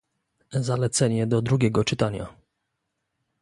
Zalecenie do drugiego czytania